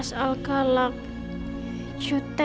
setiap kali bigunde